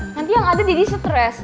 nanti yang ada dedi stress